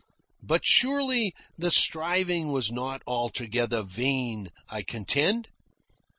"But surely the striving was not altogether vain," I contend.